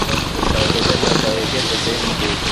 wawekezaji watawekeza sehemu hiyo